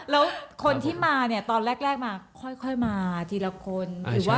แล้วคนที่มาตอนแรกค่อยมาทีละคน